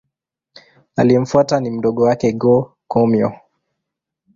Aliyemfuata ni mdogo wake Go-Komyo.